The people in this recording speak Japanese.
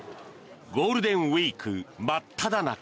ゴールデンウィーク真っただ中。